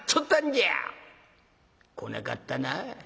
来なかったな。